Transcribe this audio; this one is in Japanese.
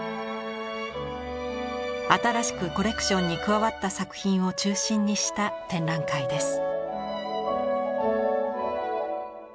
新しくコレクションに加わった作品を中心にした展覧会です。